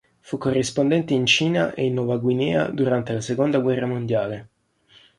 Fu corrispondente in Cina e in Nuova Guinea durante la seconda guerra mondiale.